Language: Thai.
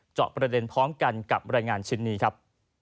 เจาะประเด็นพร้อมกันกับรายงานชิ้นนี้ครับ